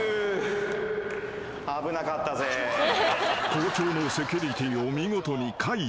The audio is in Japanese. ［校長のセキュリティーを見事に解除］